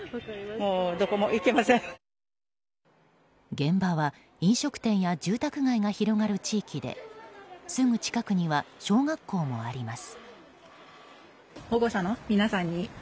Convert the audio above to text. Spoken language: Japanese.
現場は飲食店や住宅街が広がる地域ですぐ近くには小学校もあります。